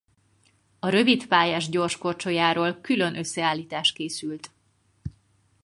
A rövidpályás gyorskorcsolyáról külön összeállítás készült.